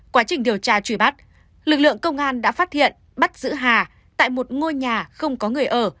quá trình điều tra truy bắt lực lượng công an đã phát hiện bắt giữ hà tại một ngôi nhà không có người ở